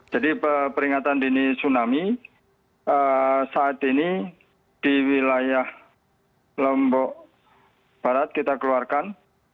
jadi peringatan dini tsunami saat ini di wilayah lombok barat kita keluarkan